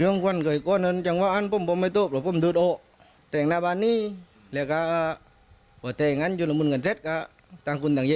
เรื่องกันช่วงอันมันจะไม่เจาะเพราะผมเจอดีต้อง